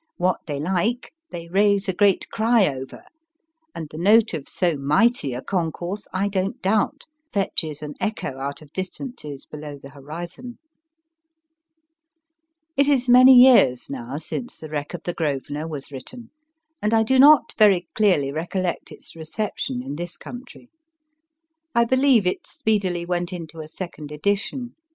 What they like they raise a great cry over, and the note of so mighty a concourse, I don t doubt, fetches an echo out of distances below the horizon. THE BOATSWAIN OF THE GROSVENOR CLARK RUSSELL 39 It is many years now since The Wreck of the " Grosvenor" was written, and I do not very clearly recollect its reception in this country. I believe it speedily went into a second edition.